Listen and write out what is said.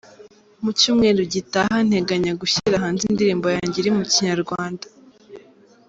Mu cyumweru gitaha, nteganya gushyira hanze indirimbo yanjye iri mu Kinyarwanda.